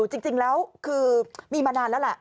จริงแล้วคือมีมานานแล้วแหละ